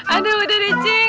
aduh udah deh cing